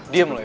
diem lu ya